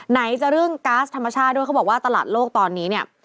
ไหนจะเรื่องก๊าซธรรมชาติด้วยเขาบอกว่าตลาดโลกตอนนี้เนี่ย